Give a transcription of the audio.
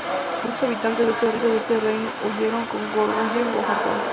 Muchos habitantes de este reino huyeron a Goguryeo o Japón.